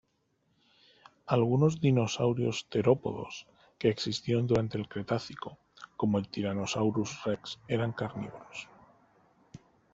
Algunos dinosaurios terópodos que existieron durante el Cretácico, como "Tyrannosaurus rex", eran carnívoros.